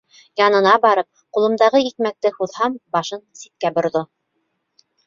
Янына барып, ҡулымдағы икмәкте һуҙһам, башын ситкә борҙо.